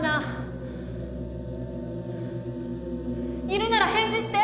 いるなら返事して。